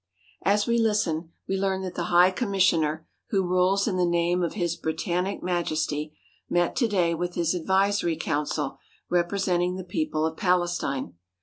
As we listen we learn that the High Commissioner, who rules in the name of His Britannic Majesty, met to day with his advisory council, representing the people of Palestine.